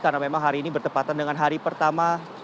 karena memang hari ini bertepatan dengan hari pertama